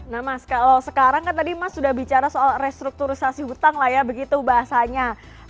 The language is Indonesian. nah mas kalau sekarang kan tadi mas sudah bicara soal restrukturisasi hutang lah ya begitu bahasanya